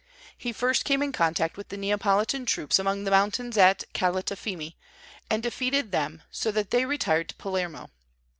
He first came in contact with the Neapolitan troops among the mountains at Calatafimi, and defeated them, so that they retired to Palermo.